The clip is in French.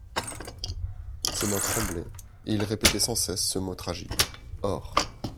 Ses mains tremblaient et il répétait sans cesse ce mot tragique: OR.